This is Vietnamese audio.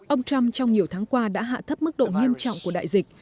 ông trump trong nhiều tháng qua đã hạ thấp mức độ nghiêm trọng của đại dịch